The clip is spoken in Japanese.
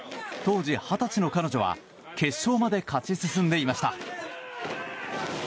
当時、二十歳の彼女は決勝まで勝ち進んでいました。